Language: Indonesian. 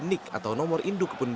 nik atau nomor induk